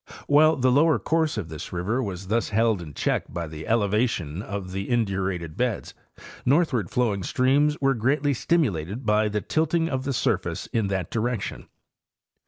While the lower course of this river was thus held in check: by the elevation of the indurated beds, northward flowing streams were greatly stimulated by the tilt ing of the surface in that direction.